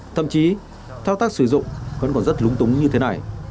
thậm chí thao tác sử dụng vẫn còn rất lúng túng như thế này